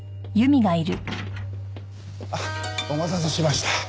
あっお待たせしました。